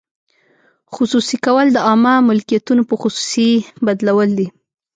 خصوصي کول د عامه ملکیتونو په خصوصي بدلول دي.